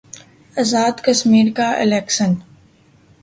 آزاد کشمیر کا الیکشن